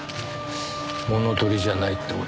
物盗りじゃないって事か。